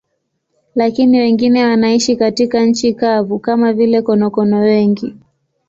Lakini wengine wanaishi katika nchi kavu, kama vile konokono wengi.